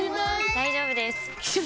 大丈夫です！